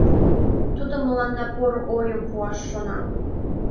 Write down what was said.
Тудо мыланна поро ойым пуаш шона.